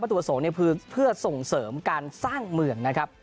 ตุประสงค์คือเพื่อส่งเสริมการสร้างเมืองนะครับ